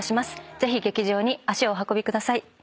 ぜひ劇場に足をお運びください。